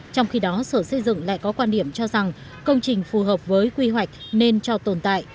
trong khi đó sở xây dựng lại có quan điểm cho rằng công trình phù hợp với quy hoạch nên cho tồn tại